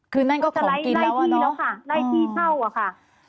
คือนั่นก็ของกินแล้วอะเนอะมันจะได้ที่แล้วค่ะได้ที่เท่าอะค่ะ